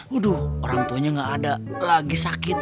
waduh orang tuanya gak ada lagi sakit